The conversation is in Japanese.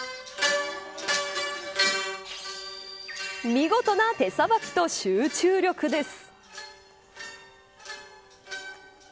見事な手さばきと集中力です。